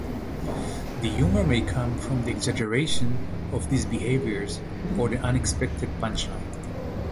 The humor may come from the exaggeration of these behaviors or the unexpected punchline.